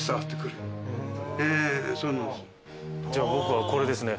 じゃあ僕はこれですね。